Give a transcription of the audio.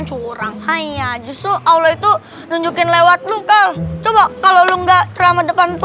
curang hanya justru allah itu nunjukin lewat lu kalau coba kalau enggak ceramah depan itu